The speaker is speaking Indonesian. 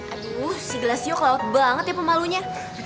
aduh si gelasnya cloud banget ya pemalunya